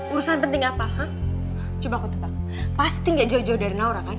urusan penting apa ha coba aku tebak pasti gak jauh jauh dari naura kan